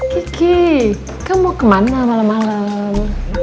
kiki kamu mau kemana malam malam